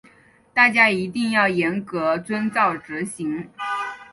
大家一定要严格遵照执行